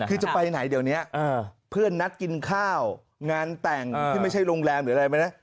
คือจะไปไหนเดี๋ยวนี้เพื่อนนัดกินข้าวงานแต่งที่ไม่ใช่โรงแรมหรืออะไรไหมนะ